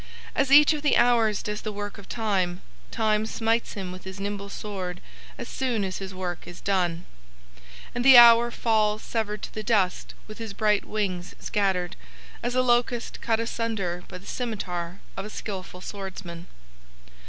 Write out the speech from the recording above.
As each of the hours does the work of Time, Time smites him with his nimble sword as soon as his work is done, and the hour falls severed to the dust with his bright wings scattered, as a locust cut asunder by the scimitar of a skillful swordsman.